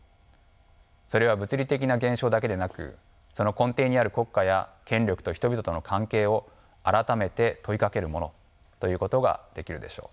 それは物理的な現象だけでなくその根底にある国家や権力と人々との関係を改めて問いかけるものということができるでしょう。